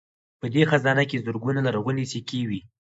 په دې خزانه کې زرګونه لرغونې سکې وې